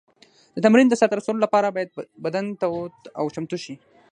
د تمرین د سر ته رسولو لپاره باید بدن تود او چمتو شي.